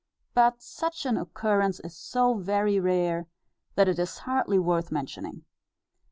But such an occurrence is so very rare, that it is hardly worth mentioning.